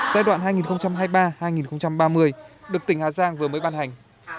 giai đoạn hai nghìn hai mươi ba hai nghìn ba mươi được tỉnh hà giang vừa mới ban hành